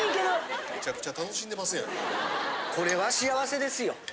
これは幸せですよ。